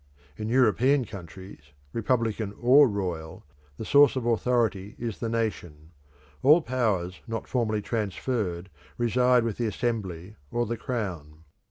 In European countries, republican or royal, the source of authority is the nation; all powers not formally transferred reside with the Assembly or the Crown.